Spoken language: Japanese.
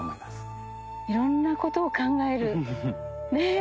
いろんなことを考えるねぇ。